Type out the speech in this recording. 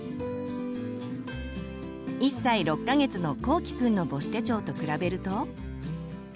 １歳６か月のこうきくんの母子手帳と比べると。